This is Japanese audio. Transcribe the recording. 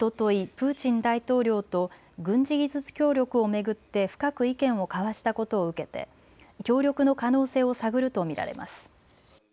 プーチン大統領と軍事技術協力を巡って深く意見を交わしたことを受けて協力の可能性を探ると見られます。